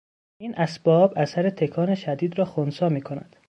این اسباب اثر تکان شدید را خنثی میکند.